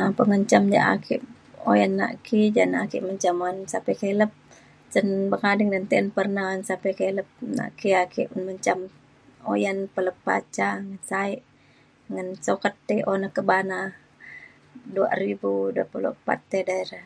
um pemenjam le ake uyan nak ki ja na ake menjam sapai kilet sen buk ading na be’un perna sapai kilet nak ki ake menjam uyan pelepah ca ngan sa’e ngan sukat ti una kebana dua riba dua puluh pat edei re.